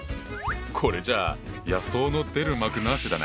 これじゃあ野草の出る幕なしだな。